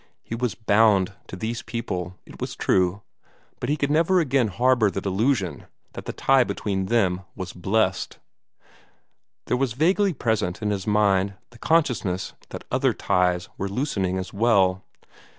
He was bound to those people, it was true, but he could never again harbor the delusion that the tie between them was blessed. There was vaguely present in his mind the consciousness that other ties were loosening as well.